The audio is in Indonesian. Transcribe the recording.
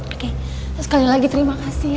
oke sekali lagi terima kasih